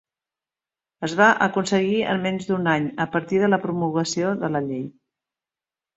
Es va aconseguir en menys d'un any a partir de la promulgació de la llei.